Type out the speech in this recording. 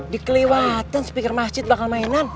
dikelewatan sepikir masjid bakal mainan